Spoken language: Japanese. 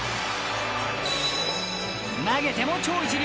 ［投げても超一流］